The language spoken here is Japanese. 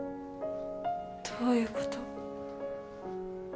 どういうこと？